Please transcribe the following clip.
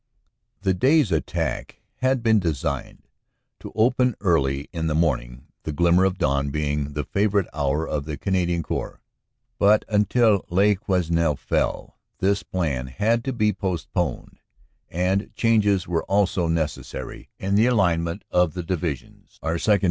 The day s attack had been designed to open early in the morning, the glimmer of dawn being the favorite hour of the Canadian Corps. But until Le Quesnel fell this plan had to be postponed, and changes were also necessary in the alignment of the divisions, our 2nd.